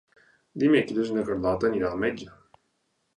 Dimecres na Carlota anirà al metge.